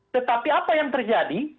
tetapi apa yang terjadi